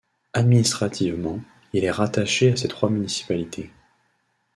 Administrativement, il est rattaché à ces trois municipalités.